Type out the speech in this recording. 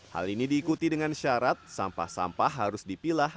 hal ini diikuti dengan syarat sampah sampah harus dipilah